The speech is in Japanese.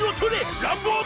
ランボーグ！